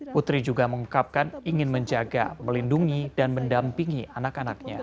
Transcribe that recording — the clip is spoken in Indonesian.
putri juga mengungkapkan ingin menjaga melindungi dan mendampingi anak anaknya